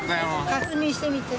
確認してみて。